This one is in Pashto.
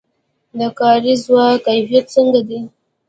د کاري ځواک کیفیت څنګه دی؟